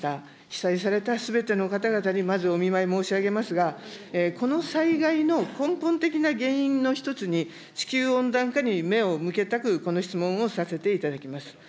被災されたすべての方々に、まずお見舞い申し上げますが、この災害の根本的な原因の一つに、地球温暖化に目を向けたく、この質問をさせていただきます。